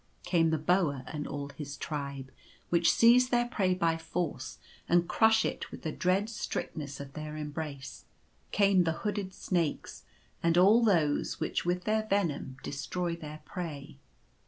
Came the boa and all his tribe, which seize their The Serpents. 145 prey by force and crush it with the dread strictness of their embrace. Came the hooded snakes and all those which with their venom destroy their prey.